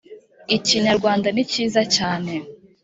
iknyarwanda ni cyiza cyane